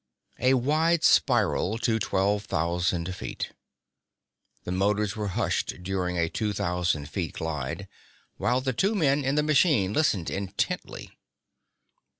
A wide spiral to twelve thousand feet. The motors were hushed during a two thousand feet glide, while the two men in the machine listened intently.